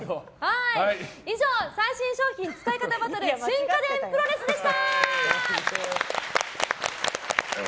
以上、最新商品使い方バトル新家電プロレスでした。